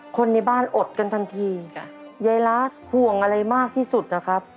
คนในบ้านอดกันทันทีจ้ะยายรัฐห่วงอะไรมากที่สุดนะครับ